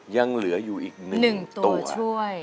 ยังเหลืออยู่อีก๑ตัวช่วย